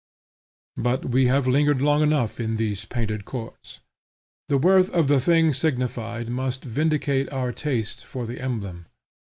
But we have lingered long enough in these painted courts. The worth of the thing signified must vindicate our taste for the emblem.